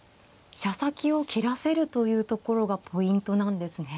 飛車先を切らせるというところがポイントなんですね。